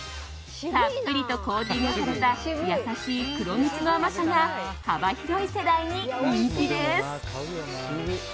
たっぷりとコーティングされた優しい黒蜜の甘さが幅広い世代に人気です。